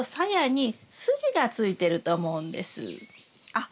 あっ。